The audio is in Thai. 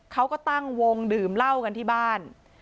เขาก็ตั้งวงดื่มเหล้ากันที่บ้าน